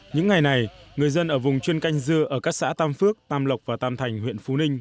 những ngày này người dân ở vùng chuyên canh dưa ở các xã tam phước tam lộc và tam thành huyện phú ninh